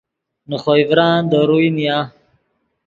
نے خوئے ڤران دے روئے نیا